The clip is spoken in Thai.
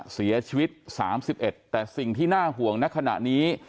เสียชีวิต๓๑แต่สิ่งที่น่าห่วงในขณะนี้